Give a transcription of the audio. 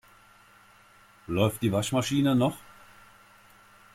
Läuft die Waschmaschine noch?